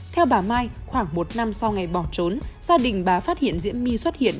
theo bà mai khoảng một năm sau ngày bỏ trốn gia đình bà phát hiện diễm my xuất hiện